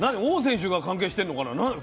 王選手が関係してんのかな？